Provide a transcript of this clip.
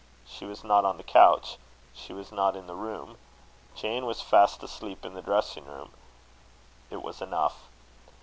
She was not on the couch. She was not in the room. Jane was fast asleep in the dressing room. It was enough.